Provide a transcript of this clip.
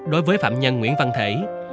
đối với phạm nhân nguyễn văn thể